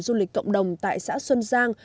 du lịch cộng đồng tại xã xuân giang